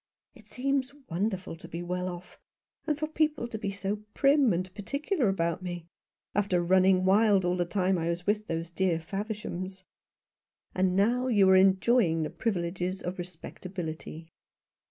It seems wonderful to be well off, and for people to be so prim and particular about me, after running wild all the time I was with those dear Favershams." "And now you are enjoying the privileges of respectability."